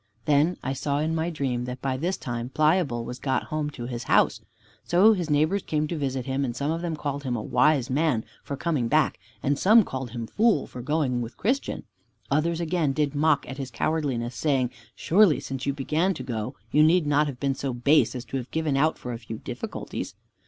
Then I saw in my dream that by this time Pliable was got home to his house. So his neighbors came to visit him, and some of them called him wise man for coming back, and some called him fool for going with Christian. Others again did mock at his cowardliness, saying, "Surely since you began to go, you need not have been so base as to have given out for a few difficulties."